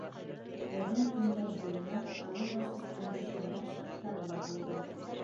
Оҙон көндәр буйына ауыҙ асып өндәшмәгән саҡтары ла булды.